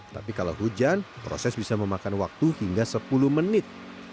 tapi kalau hujan proses bisa memakan waktu hingga sepuluh menit